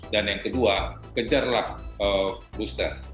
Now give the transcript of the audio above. dan yang kedua kejarlah booster